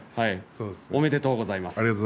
おめでとうございます。